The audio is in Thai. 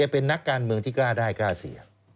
เป็นนักการเมืองที่กล้าได้กล้าเสีย